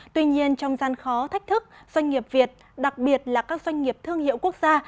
tuy nhiên trong gian khó thách thức doanh nghiệp việt đặc biệt là các doanh nghiệp thương hiệu quốc gia